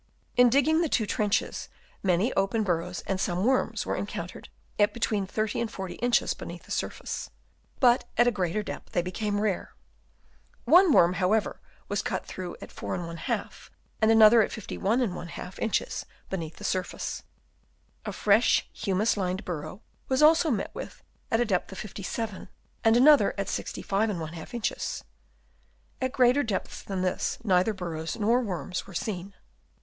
In digging the two trenches many open burrows and some worms were encountered at between 30 and 40 inches beneath the surface ; but at a greater depth they became rare. One worm, however, was cut through at 48 J, and another at 51^ inches beneath the surface. A fresh humus lined burrow was also met with at a depth of 57 and another at 65^ inches. At greater depths than this, neither burrows nor worms were seen.